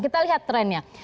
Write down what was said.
kita lihat trendnya